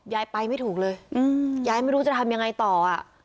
ยายไปไม่ถูกเลยยายไม่รู้จะทำยังไงต่ออ่ะ